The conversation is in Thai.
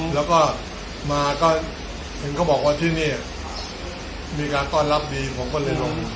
แล้วก็มาก็เห็นเขาบอกว่าที่นี่มีการต้อนรับดีผมก็เลยลง